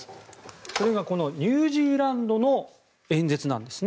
それがこのニュージーランドの演説なんですね。